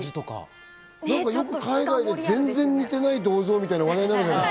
よく海外で全然似てない銅像みたいなのあるじゃない。